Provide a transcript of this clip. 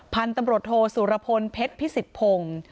พันธุ์ตำรวจโทสุรพลเพชรพิสิทธพงศ์